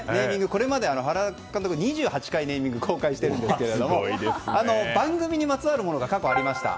これまで原監督は２８回、ネーミングを公開しているんですが番組にまつわるものが過去ありました。